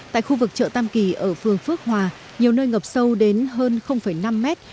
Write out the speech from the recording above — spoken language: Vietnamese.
tại khu vực chợ tam kỳ ở phường phước hòa nhiều nơi ngập sâu đến hơn năm mét